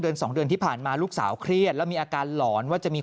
สองเดือนที่ผ่านมาลูกสาวเครียดแล้วมีอาการหลอนว่าจะมี